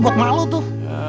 gue kemalu tuh